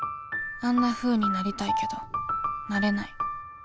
あんなふうになりたいけどなれない